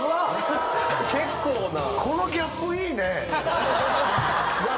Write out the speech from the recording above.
・結構な。